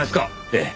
ええ。